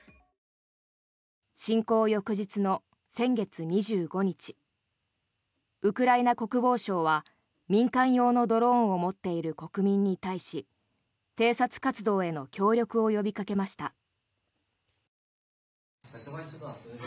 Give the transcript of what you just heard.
侵攻翌日の先月２５日ウクライナ国防省は民間用のドローンを持っている国民に対し偵察活動への協力を呼びかけました。